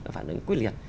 phản ứng quyết liệt